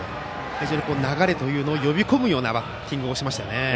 非常に流れを呼びこむようなバッティングをしましたね。